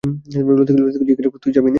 ললিতাকে জিজ্ঞাসা করিল, তুই যাবি নে?